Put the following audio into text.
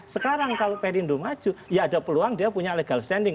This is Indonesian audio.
sekarang kalau perindo maju ya ada peluang dia punya legal standing